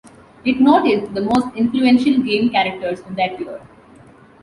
It noted the most influential game characters of that year.